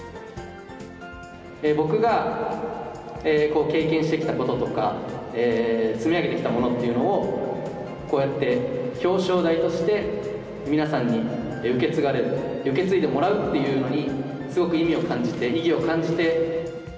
僕が経験してきたこととか、積み上げてきたものっていうのを、こうやって表彰台として皆さんに受け継がれる、受け継いでもらうっていうのに、すごく意味を感じて、意義を感じて。